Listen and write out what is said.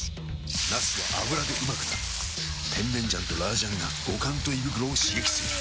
なすは油でうまくなる甜麺醤と辣醤が五感と胃袋を刺激する！